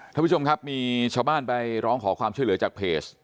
ท่านผู้ชมครับมีชาวบ้านไปร้องขอความช่วยเหลือจากเพจ